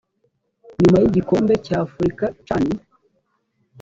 nyuma y igikombe cy afurika can